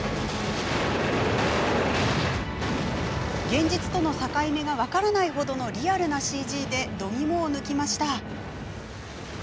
現実との境目が分からないほどのリアルなＣＧでどぎもを抜きました。